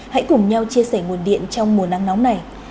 hãy cùng nhau chia sẻ nguồn điện trong mùa nắng nóng này